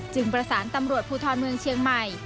ประสานตำรวจภูทรเมืองเชียงใหม่